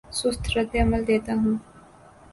سست رد عمل دیتا ہوں